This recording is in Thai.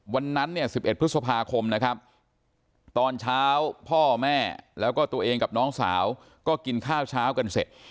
วันนั้นเนี่ย๑๑พฤษภาคมนะครับตอนเช้าพ่อแม่แล้วก็ตัวเองกับน้องสาวก็กินข้าวเช้ากันเสร็จ